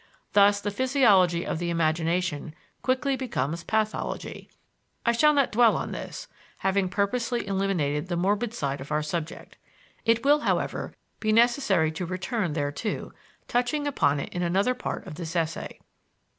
Thus, the physiology of the imagination quickly becomes pathology. I shall not dwell on this, having purposely eliminated the morbid side of our subject. It will, however, be necessary to return thereto, touching upon it in another part of this essay.